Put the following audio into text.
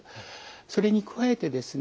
それに加えてですね